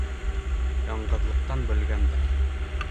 Яңғыҙлыҡтан бөлгәндәр